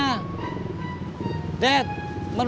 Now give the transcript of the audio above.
minta dicat rambutnya